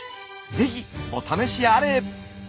ぜひお試しあれ。